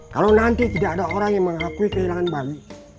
kalau nanti tidak ada orang yang mengakui kehilangan bali